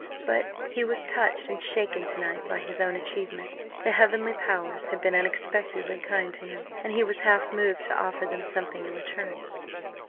But he was touched and shaken to night by his own achievement. The heavenly powers had been unexpectedly kind to him, and he was half moved to offer them something in return.